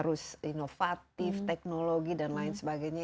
harus inovatif teknologi dan lain sebagainya